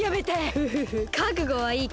フフフかくごはいい？